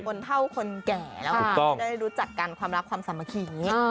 คนเท่าคนแก่แล้วได้รู้จักกันความรักความสามัคคี